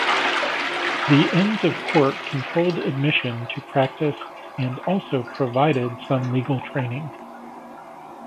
The Inns of Court controlled admission to practice and also provided some legal training.